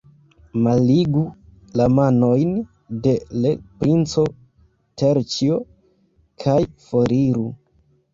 Malligu la manojn de l' princo, Terĉjo, kaj foriru!